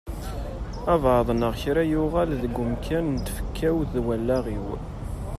Abɛaḍ neɣ kra yuɣal deg umkan n tfekka-w d wallaɣ-iw.